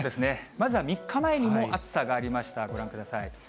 まずは３日前にも暑さがありました、ご覧ください。